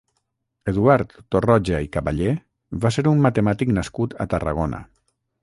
Eduard Torroja i Caballé va ser un matemàtic nascut a Tarragona.